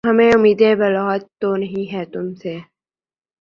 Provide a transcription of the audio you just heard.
ہمیں اُمیدِ بلاغت تو نہیں ہے تُم سے